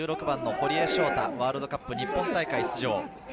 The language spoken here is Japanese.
堀江はワールドカップ日本大会出場。